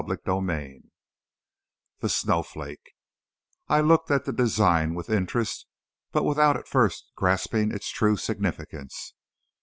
CHAPTER XVI The Snowflake I looked at the design with interest, but without at first grasping its true significance.